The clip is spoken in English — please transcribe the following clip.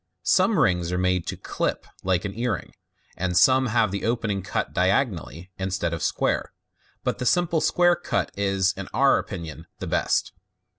Some rings are made to "clip" like an ear ring, and some have the opening cut dia gonally instead of square, but the simple square cut is, in our own opinion, the best.